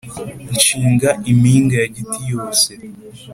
nshinga impinga ya giti yose